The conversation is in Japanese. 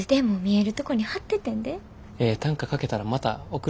ええ短歌書けたらまた送るわ。